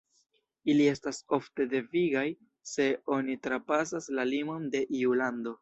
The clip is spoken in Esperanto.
Ili estas ofte devigaj, se oni trapasas la limon de iu lando.